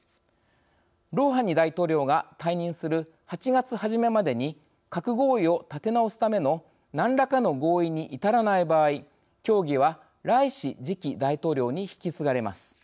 ロウハニ大統領が退任する８月初めまでに核合意を立て直すための何らかの合意に至らない場合協議はライシ次期大統領に引き継がれます。